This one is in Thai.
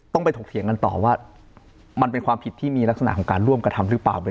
ไปถกเถียงกันต่อว่ามันเป็นความผิดที่มีลักษณะของการร่วมกระทำหรือเปล่า